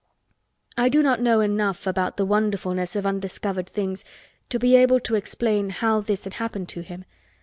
I do not know enough about the wonderfulness of undiscovered things to be able to explain how this had happened to him.